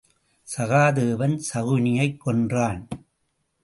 சகாதேவன் சகுனியைக் கொன்றான்.